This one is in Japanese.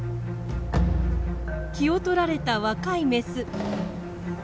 気を取られた若いメス。